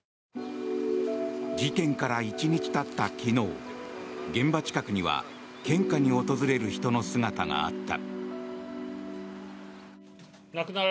事件から１日たった昨日現場近くには献花に訪れる人の姿があった。